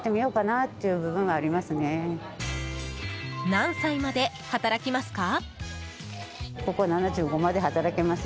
何歳まで働きますか？